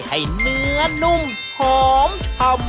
ให้เนื้อนุ่มหอมชำ